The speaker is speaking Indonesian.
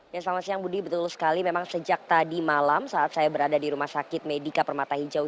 ya selamat siang budi betul sekali memang sejak tadi malam saat saya berada di rumah sakit medika permata hijau